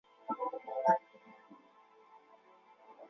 博奥西扬。